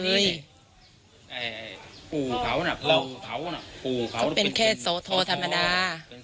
แบบพู่เขาน่ะพู่เขาเขาเป็นแค่สวทอธรรมดา